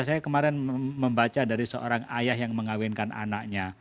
saya kemarin membaca dari seorang ayah yang mengawinkan anaknya